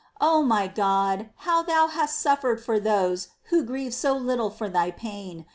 O my God ! how Thou hast suffered for those who grieve so little for Thy pain